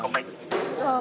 nó về công anh